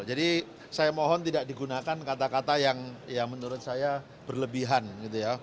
jadi saya mohon tidak digunakan kata kata yang menurut saya berlebihan gitu ya